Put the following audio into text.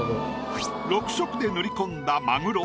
６色で塗り込んだまぐろ。